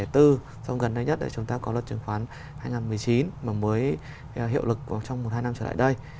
trong gần đây nhất là chúng ta có luật chứng khoán hai nghìn một mươi chín mà mới hiệu lực trong một hai năm trở lại đây